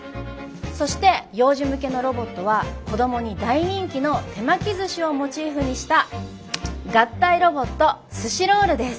そして幼児向けのロボットは子どもに大人気の手巻き寿司をモチーフにした合体ロボットスシロールです。